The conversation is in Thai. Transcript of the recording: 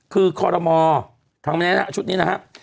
คือคอรมอล์ทำไมคะชุดนี้นะครับ